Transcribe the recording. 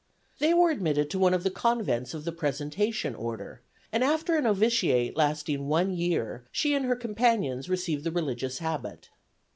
They were admitted to one of the convents of the Presentation Order, and after a novitiate lasting one year she and her companions received the religious habit.